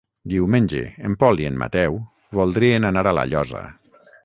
Diumenge en Pol i en Mateu voldrien anar a La Llosa.